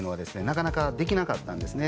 なかなかできなかったんですね。